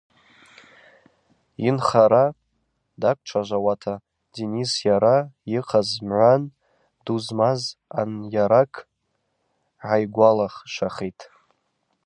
Йынхара даквчважвауата Денис йара йыхъаз мгӏан ду змаз анйаракӏ гӏайгвалашвахитӏ.